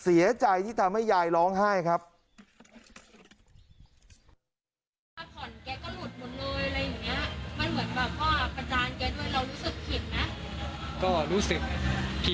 มันเหมือนพาประจานใกล้ด้วยเรารู้สึกผิดไหม